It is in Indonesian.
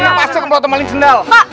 mereka pasti komporotan maling jendal